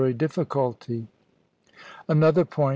xx. difficulty. Another point.